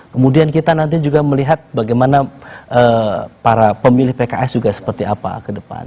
kemudian kita nanti juga melihat bagaimana para pemilih pks juga seperti apa ke depan